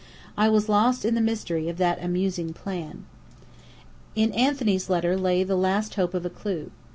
I was lost in the mystery of that "amusing plan." In Anthony's letter lay my last hope of a clue.